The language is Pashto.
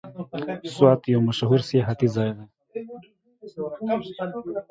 سوات یو مشهور سیاحتي ځای دی.